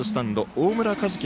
大村和輝